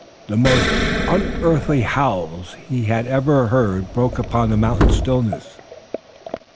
The most unearthly howls he had ever heard broke upon the mountain stillness.